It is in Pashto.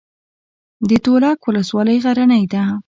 د تولک ولسوالۍ غرنۍ ده